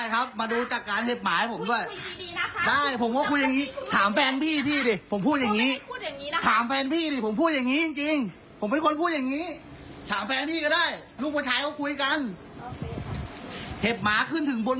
เห็ดหมาขึ้นบ้านผมเป็นร้อยกว่าตัวเอาดิ